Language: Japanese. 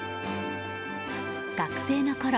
学生のころ